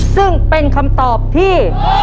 ซึ่งเป็นคำตอบที่